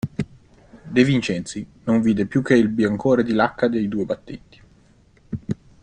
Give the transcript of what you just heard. De Vincenzi non vide più che il biancore di lacca dei due battenti.